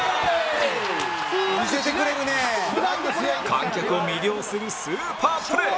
観客を魅了するスーパープレー！